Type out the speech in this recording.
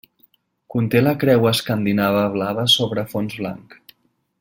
Conté la creu escandinava blava sobre fons blanc.